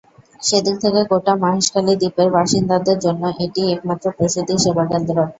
সেদিক থেকে গোটা মহেশখালী দ্বীপের বাসিন্দাদের জন্য এটিই একমাত্র প্রসূতি সেবাকেন্দ্র।